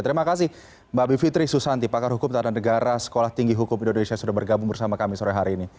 terima kasih mbak bivitri susanti pakar hukum tata negara sekolah tinggi hukum indonesia sudah bergabung bersama kami sore hari ini